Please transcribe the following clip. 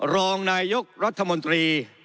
รองนายกรัฐมนตรี